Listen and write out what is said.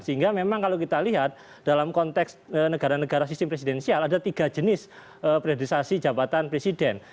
sehingga memang kalau kita lihat dalam konteks negara negara sistem presidensial ada tiga jenis priorisasi jabatan presiden